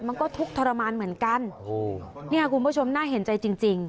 มันก็ทุกข์ทรมานเหมือนกันโอ้โหเนี่ยคุณผู้ชมน่าเห็นใจจริงจริง